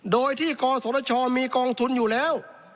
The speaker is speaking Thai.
โดยที่กศชมีกองทุนอยู่แล้ว